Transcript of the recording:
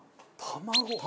卵？